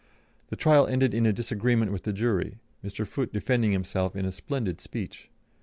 The trial ended in a disagreement of the jury, Mr. Foote defending himself in a splendid speech.